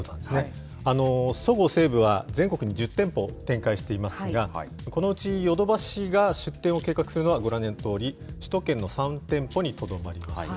そごう・西武は、全国に１０店舗展開していますが、このうちヨドバシが出店を計画するのはご覧のとおり、首都圏の３店舗にとどまります。